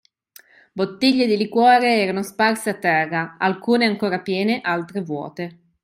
Bottiglie di liquore erano sparse a terra, alcune ancora piene, altre vuote.